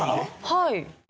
はい。